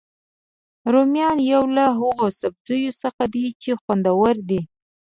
رومیان یو له هغوسبزیو څخه دي چې خوندور دي